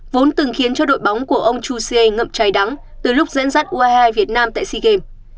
vốn từng khiến cho đội bóng của ông chu xie ngậm cháy đắng từ lúc dẫn dắt ui hai việt nam tại sea games